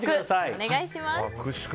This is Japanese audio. お願いします。